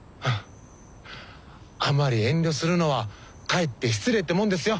あんまり遠慮するのはかえって失礼ってもんですよ。